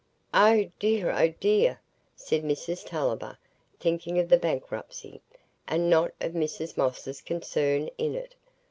"Oh dear, oh dear!" said Mrs Tulliver, thinking of the bankruptcy, and not of Mrs Moss's concern in it.